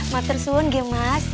mas tersuun gak mas